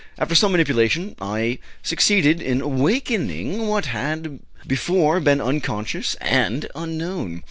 After some manipulation, I succeeded in awakening what had before been unconscious and unknown.